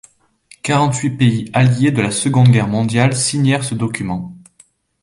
Quarante-huit pays alliés de la Seconde Guerre mondiale signèrent ce document.